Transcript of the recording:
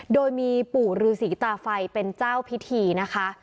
โดยมีปู่ฤษีตาไฟเป็นเจ้าพิธีนะคะ